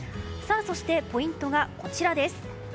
ポイントがこちらです。